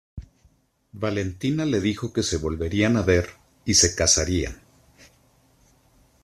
Valentina le dijo que se volverían a ver, y se casarían.